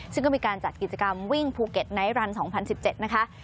ซึ่งก็มีการจัดกิจกรรมวิ่งภูเก็ตไนท์รัน๒๐๑๗นะคะ